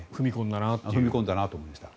踏み込んだなという。